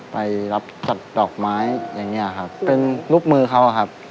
ไปรับจัดดอกไม้อย่างเงี้ยครับเป็นรูปมือเขาอะครับ